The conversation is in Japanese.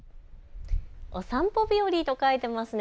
おさんぽ日和と書いていますね。